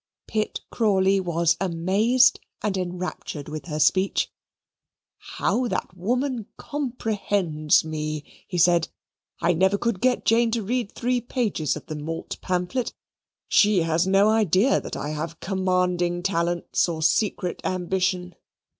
Pitt Crawley was amazed and enraptured with her speech. "How that woman comprehends me!" he said. "I never could get Jane to read three pages of the malt pamphlet. She has no idea that I have commanding talents or secret ambition.